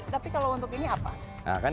tapi kalau untuk ini apa